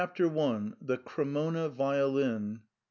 322 THE CREMONA VIOLIN.